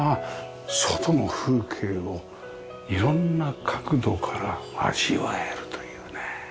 外の風景をいろんな角度から味わえるというね。